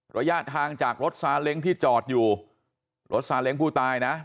ระยะทางจากรถซาเล้งที่จอดอยู่รถซาเล้งผู้ตายนะ